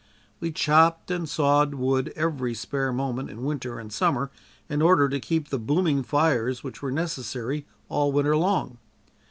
We chopped and sawed wood every spare moment in winter and summer in order to keep the booming fires which were necessary all winter long.